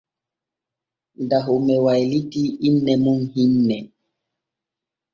Dahome waylitii inne mum hinne.